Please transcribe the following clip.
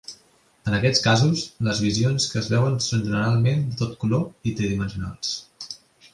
En aquests casos, les visions que es veuen són generalment a tot color i tridimensionals.